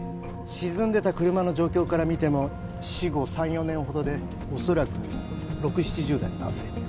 沈んでた車の状況からみても死後３４年ほどでおそらく６０７０代の男性